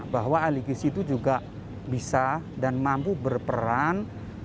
bahwa ahli gizi itu juga bisa dan mampu berperan